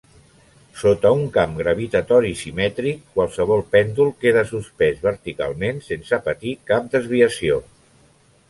Sota un camp gravitatori simètric, qualsevol pèndol queda suspès verticalment sense patir cap desviació.